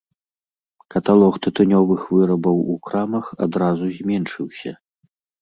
Каталог тытунёвых вырабаў у крамах адразу зменшыўся.